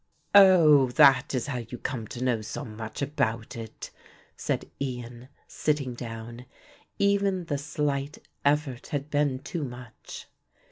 "Oh, that is how you come to know so much about it," said Ian, sitting down. Even the slight effort had been too much.